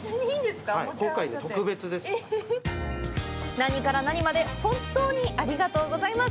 何から何まで本当にありがとうございます！